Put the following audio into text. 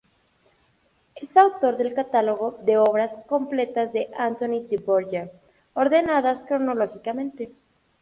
Es autor del catálogo de obras completas de Antonín Dvořák, ordenadas cronológicamente.